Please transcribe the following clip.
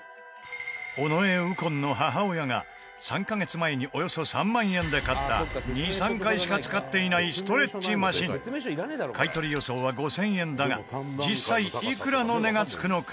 尾上右近の母親が３カ月前におよそ３万円で買った２３回しか使っていないストレッチマシン買取予想は５０００円だが実際、いくらの値が付くのか？